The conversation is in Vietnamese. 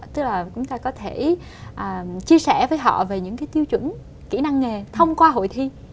tức là chúng ta có thể chia sẻ với họ về những cái tiêu chuẩn kỹ năng nghề thông qua hội thi